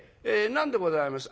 何でございます？